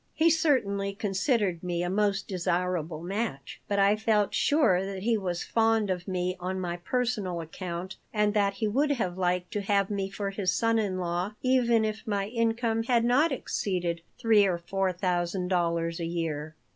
He certainly considered me a most desirable match. But I felt sure that he was fond of me on my personal account and that he would have liked to have me for his son in law even if my income had not exceeded three or four thousand dollars a year.